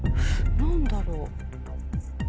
何だろう？